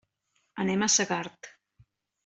Anem a Segart.